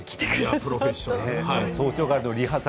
プロフェッショナル。